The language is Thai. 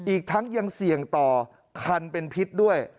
อีกทั้งยังเสี่ยงต่อคันเป็นพิษด้วย